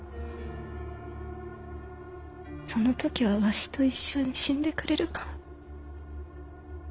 その時はわしと一緒に死んでくれるか？